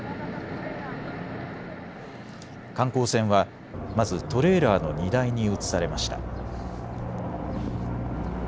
観光船はまずトレーラーの荷台に移されました。